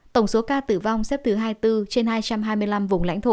tổng số ca tử vong xếp thứ hai mươi bốn trên hai trăm hai mươi năm vùng lãnh thổ